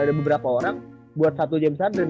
ada beberapa orang buat satu james harden